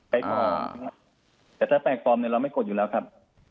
แปลกฟอร์มเนี่ยลิงค์แปลกฟอร์มเนี่ยเราก็ไม่กดอยู่แล้วครับ